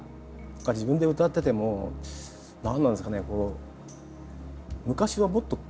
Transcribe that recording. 自分で歌ってても何なんですかね